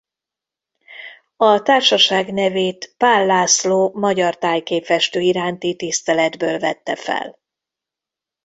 A társaság nevét Paál László magyar tájképfestő iránti tiszteletből vette fel.